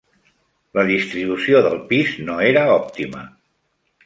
La distribució del pis no era òptima.